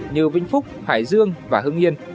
như vinh phúc hải dương và hưng yên